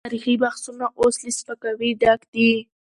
تاريخي بحثونه اوس له سپکاوي ډک دي.